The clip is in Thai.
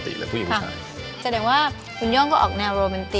ก้าวเบื้องก้าว